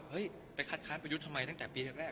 ไปคัดค้านประยุทธ์ทำไมตั้งแต่ปีแรก